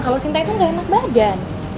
kalau sinta itu nggak enak badan